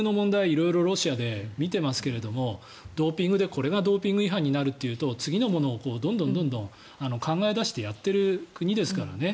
色々、ロシアで見てますけどドーピングでこれがドーピング違反になるというと次をどんどん考え出してやっている国ですからね。